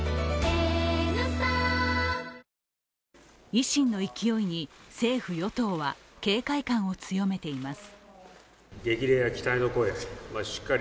維新の勢いに政府与党は警戒感を強めています。